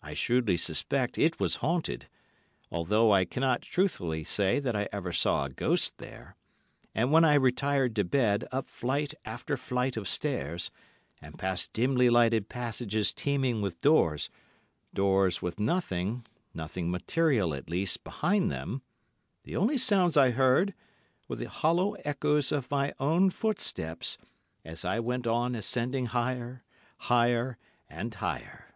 I shrewdly suspect it was haunted, although I cannot truthfully say that I ever saw a ghost there, and when I retired to bed up flight after flight of stairs, and past dimly lighted passages teeming with doors—doors with nothing, nothing material at least, behind them—the only sounds I heard were the hollow echoes of my own footsteps as I went on ascending higher, higher, and higher.